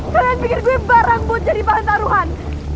kalian pikir gue barang buat jadi bahan taruhan